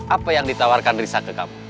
apa yang ditawarkan risa ke kamu